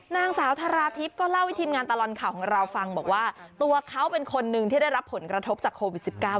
นางสาวทาราทิพย์ก็เล่าให้ทีมงานตลอดข่าวของเราฟังบอกว่าตัวเขาเป็นคนหนึ่งที่ได้รับผลกระทบจากโควิด๑๙